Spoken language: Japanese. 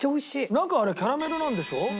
中あれキャラメルなんでしょ？